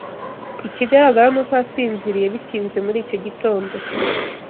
Ikigaragara ni uko yasinziriye bitinze muri icyo gitondo.